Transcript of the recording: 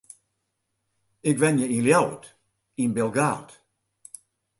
Ik wenje yn Ljouwert, yn Bilgaard.